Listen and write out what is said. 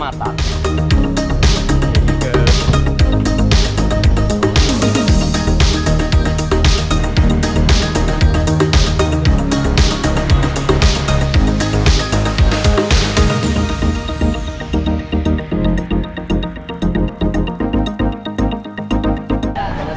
motor tuh disini betul